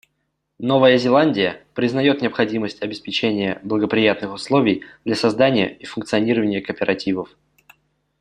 Новая Зеландия признает необходимость обеспечения благоприятных условий для создания и функционирования кооперативов.